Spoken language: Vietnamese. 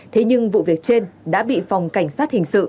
thế nhưng vụ việc trên đã bị phòng cảnh sát hình sự